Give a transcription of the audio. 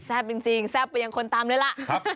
จริงแซ่บไปยังคนตามเลยล่ะ